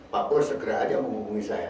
pak purwok segera saja menghubungi saya